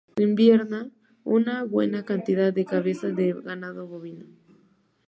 Inverna una buena cantidad de cabezas de ganado bovino.